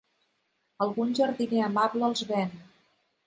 Algun jardiner amable els ven.